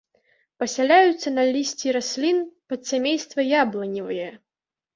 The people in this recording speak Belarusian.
Пасяляюцца на лісці раслін падсямейства яблыневыя.